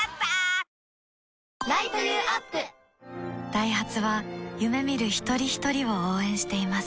ダイハツは夢見る一人ひとりを応援しています